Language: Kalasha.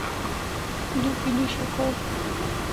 Du kilo shokhor